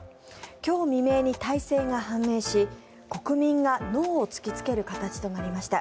今日未明に大勢が判明し国民がノーを突きつける形となりました。